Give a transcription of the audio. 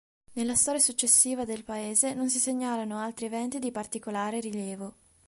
Nella storia successiva del paese non si segnalano altri eventi di particolare rilievo.